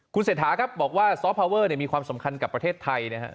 คุณเศรษฐาครับบอกว่าซอฟพาวเวอร์มีความสำคัญกับประเทศไทยนะครับ